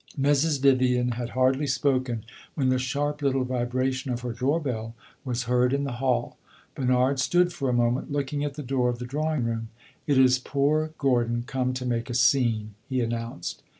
Mrs. Vivian had hardly spoken when the sharp little vibration of her door bell was heard in the hall. Bernard stood for a moment looking at the door of the drawing room. "It is poor Gordon come to make a scene!" he announced.